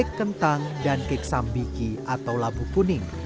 kek kentang di modo inding diperkirakan sebagai kek sambiki atau labu kuning